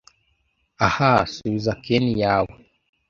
Ah! Subiza ken yawe,